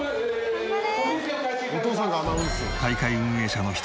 頑張れ。